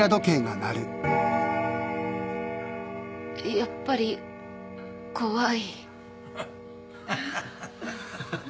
・やっぱり怖い。